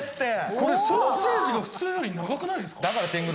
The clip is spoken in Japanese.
これソーセージが普通のより長くないですか？